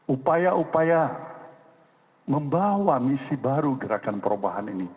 upaya upaya membawa misi baru gerakan perubahan ini